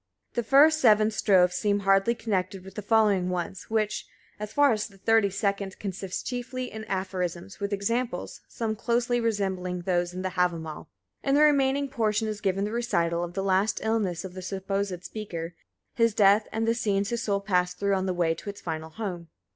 The first 7 strophes seem hardly connected with the following ones, which, as far as the 32nd consist chiefly in aphorisms with examples, some closely resembling those in the Havamal. In the remaining portion is given the recital of the last illness of the supposed speaker, his death, and the scenes his soul passed through on the way to its final home.